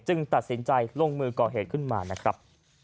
ตัดสินใจลงมือก่อเหตุขึ้นมานะครับ